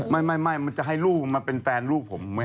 ไม่มันจะให้ดูมาเป็นแฟนลูกผมไม่เอา